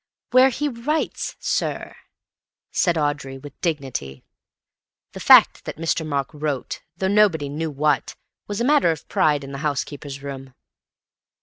"Where he writes, sir," said Audrey, with dignity. The fact that Mr. Mark "wrote," though nobody knew what, was a matter of pride in the housekeeper's room.